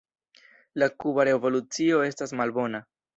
La Kuba revolucio estas malbona.